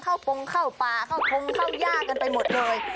ปงเข้าป่าเข้าทงเข้าย่ากันไปหมดเลย